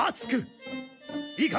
いいか？